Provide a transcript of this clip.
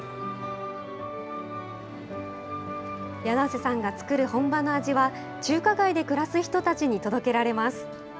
梁瀬さんが作る本場の味は、中華街で暮らす人たちに届けられます。